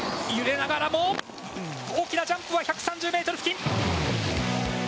揺れながらも大きなジャンプは１３０ｍ付近。